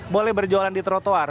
boleh berjualan di trotoar